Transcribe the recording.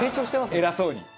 偉そうに。